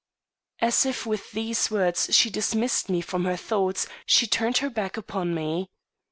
As if with these words she dismissed me from her thoughts, she turned her back upon me.